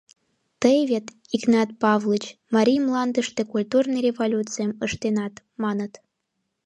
Тый вет, Игнат Павлыч, марий мландыште культурный революцийым ыштенат, маныт.